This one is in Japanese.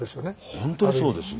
本当にそうですよ。